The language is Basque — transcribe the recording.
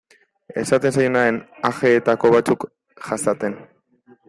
Esaten zaionaren ajeetako batzuk jasaten.